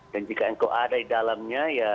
dan jika engkau ada di dalamnya